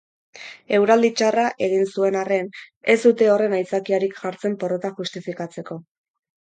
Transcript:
Eguraldi txarra egin zuen arren, ez dute horren aitzakiarik jartzen porrota justifikatzeko.